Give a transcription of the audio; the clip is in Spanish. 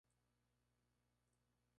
Es jugador del Jockey Club Córdoba.